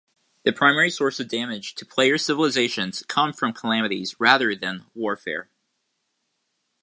The primary source of damage to players' civilizations comes from calamities rather than warfare.